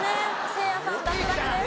せいやさん脱落です。